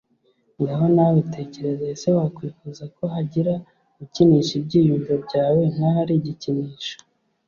ngaho nawe tekereza ese wakwifuza ko hagira ukinisha ibyiyumvo byawe nk aho ari igikinisho